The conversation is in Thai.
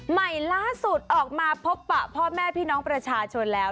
ใหม่ล่าสุดออกมาพบปะพ่อแม่พี่น้องประชาชนแล้ว